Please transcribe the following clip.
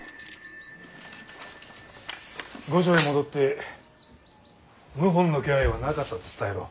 御所へ戻って謀反の気配はなかったと伝えろ。